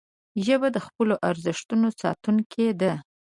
ژبه د خپلو ارزښتونو ساتونکې ده